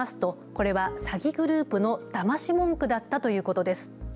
これは詐欺グループのだまし文句だったということです。